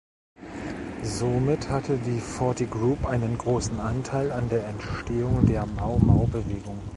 Somit hatte die Forty Group einen großen Anteil an der Entstehung der Mau-Mau-Bewegung.